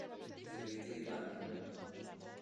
Vous avez été aimable ?